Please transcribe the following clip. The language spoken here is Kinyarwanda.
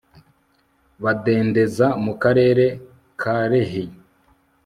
badendeza mu karere ka lehi